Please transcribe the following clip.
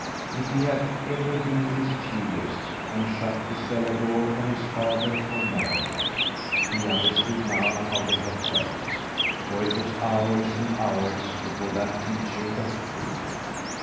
If he had ever been mischievous and shut the cellar door on his father or mother, he understood now how they had felt; for it was hours and hours before that teacher got through.